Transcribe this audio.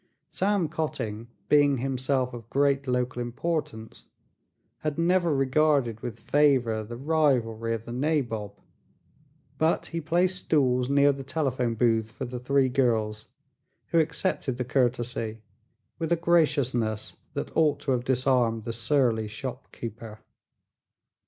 Sam Cotting, being himself of great local importance, had never regarded with favor the rivalry of the nabob, but he placed stools near the telephone booth for the three girls, who accepted the courtesy with a graciousness that ought to have disarmed the surly storekeeper.